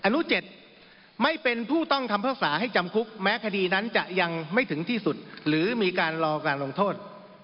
อนุ๗ไม่เป็นผู้ต้องคำพิพากษาให้จำคุกแม้คดีนั้นจะยังไม่ถึงที่สุดหรือมีการรอการลงโทษ